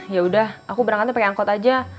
yaudah aku berangkatnya pake angkot aja